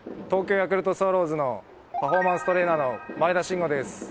東京ヤクルトスワローズのパフォーマンストレーナーの前田真吾です。